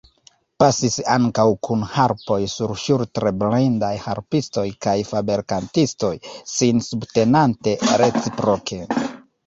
Pasis ankaŭ kun harpoj surŝultre blindaj harpistoj kaj fabelkantistoj, sin subtenante reciproke.